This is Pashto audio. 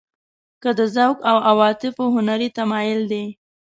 که د ذوق او عواطفو هنري تمایل دی.